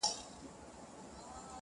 • زه تر مور او پلار پر ټولو مهربان یم -